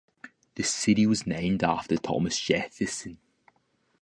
The city was named after Thomas Jefferson.